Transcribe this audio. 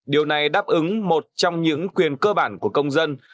điều này đáp ứng một trong những quyền cơ bản của công dân